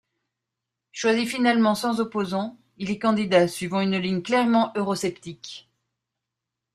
Choisi finalement sans opposant, il est candidat suivant une ligne clairement eurosceptique.